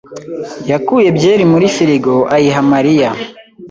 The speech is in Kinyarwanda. yakuye byeri muri firigo ayiha Mariya.